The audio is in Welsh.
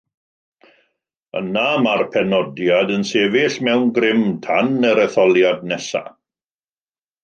Yna mae'r penodiad yn sefyll mewn grym tan yr etholiad nesaf.